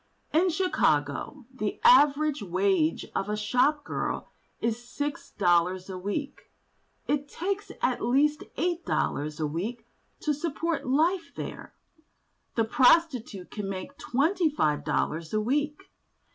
In Chicago the average wage of a shop girl is six dollars a week; it takes at least eight dollars a week to support life there; the prostitute can make twenty five dollars a week.